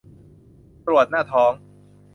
ตรวจหน้าท้อง